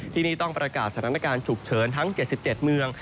ที่นี่ต้องประกาศสถานการณ์ฉุกเฉินทั้ง๗๗เมือง